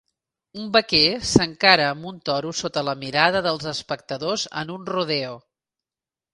Un vaquer s'encara amb un toro sota la mirada dels espectadors en un "rodeo".